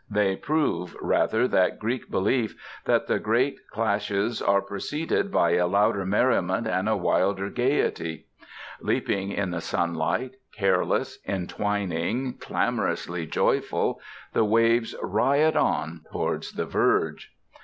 They prove, rather, that Greek belief that the great crashes are preceded by a louder merriment and a wilder gaiety. Leaping in the sunlight, careless, entwining, clamorously joyful, the waves riot on towards the verge.